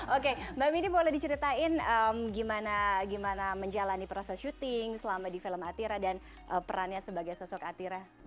oke mbak mini boleh diceritain gimana menjalani proses syuting selama di film atira dan perannya sebagai sosok atira